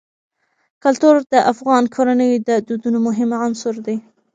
کلتور د افغان کورنیو د دودونو مهم عنصر دی.